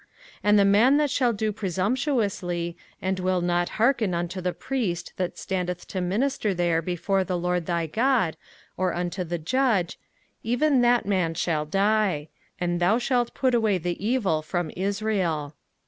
05:017:012 And the man that will do presumptuously, and will not hearken unto the priest that standeth to minister there before the LORD thy God, or unto the judge, even that man shall die: and thou shalt put away the evil from Israel.